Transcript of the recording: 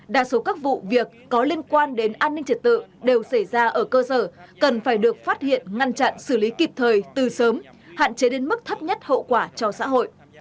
đa số các vụ việc có liên quan đến an ninh trật tự đều xảy ra ở cơ sở cần phải được phát hiện ngăn chặn xử lý kịp thời từ sớm hạn chế đến mức thấp nhất hậu quả cho xã hội